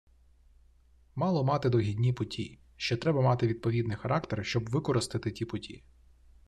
Мало мати догідні путі, ще треба мати відповідний характер, щоб використати ті путі.